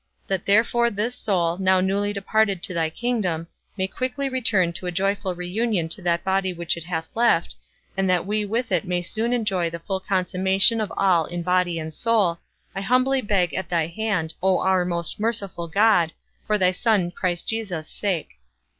That therefore this soul, now newly departed to thy kingdom, may quickly return to a joyful reunion to that body which it hath left, and that we with it may soon enjoy the full consummation of all in body and soul, I humbly beg at thy hand, O our most merciful God, for thy Son Christ Jesus' sake.